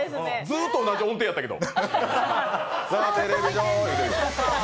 ずーっと同じ音程やったけど。